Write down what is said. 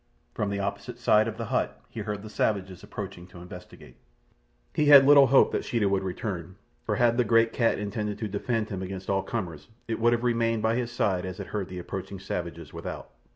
From the opposite side of the hut he heard the savages approaching to investigate. He had little hope that Sheeta would return, for had the great cat intended to defend him against all comers it would have remained by his side as it heard the approaching savages without.